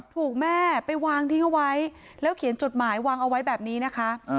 ถูกแม่ไปวางทิ้งเอาไว้แล้วเขียนจดหมายวางเอาไว้แบบนี้นะคะ